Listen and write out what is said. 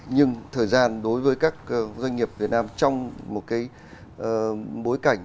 nhưng thời gian đối với các doanh nghiệp việt nam trong một cái bối cảnh